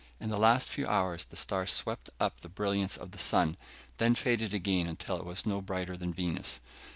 In the last few hours the star swept up to the brilliance of the sun, then faded again until it was no brighter than Venus.